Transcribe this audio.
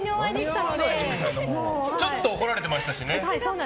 ちょっと怒られてましたし。